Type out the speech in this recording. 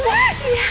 iya insya allah